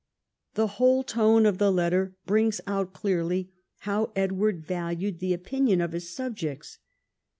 The whole tone of the letter brings out clearly how Edward valued the opinion of his subjects.